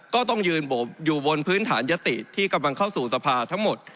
ก็ต้องยืนอยู่บนพื้นฐานยติที่กำลังเข้าสู่สภาทั้งหมด